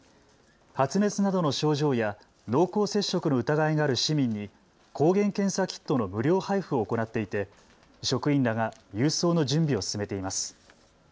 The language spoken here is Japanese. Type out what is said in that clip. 発熱などの症状や濃厚接触の疑いがある市民に抗原検査キットの無料配布を行っていて職員らが郵送の準備を進めています。